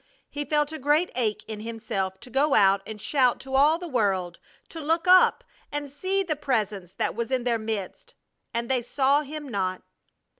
He felt a great ache in himself to go out and shout to all the world to look up and see the Presence that was in their midst, and they saw Him not!